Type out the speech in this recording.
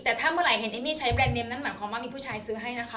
แต่ถ้าเมื่อไหร่เห็นเอมมี่ใช้แบรนดเมมนั้นหมายความว่ามีผู้ชายซื้อให้นะคะ